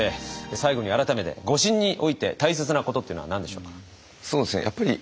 最後に改めて護身において大切なことっていうのは何でしょうか？